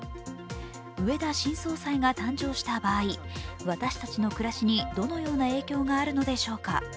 植田新総裁が誕生した場合私たちの暮らしにどのような影響があるのでしょうか。